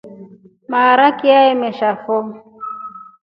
Maaraki ya amalosu fo.